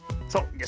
そう。